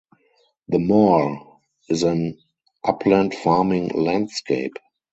The moor is an upland farming landscape.